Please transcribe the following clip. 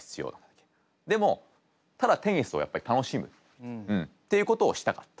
でもただテニスをやっぱり楽しむっていうことをしたかった。